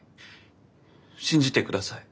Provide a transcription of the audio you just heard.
信じてください。